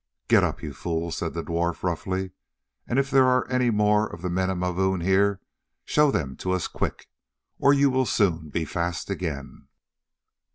"Get up, you fool," said the dwarf roughly, "and if there are any more of the men of Mavoom here, show them to us: quick, or you will soon be fast again."